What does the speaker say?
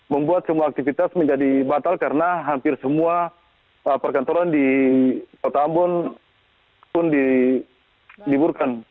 membuat semua aktivitas menjadi batal karena hampir semua perkantoran di kota ambon pun diliburkan